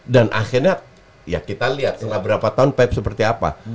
dan akhirnya ya kita lihat setelah berapa tahun pep seperti apa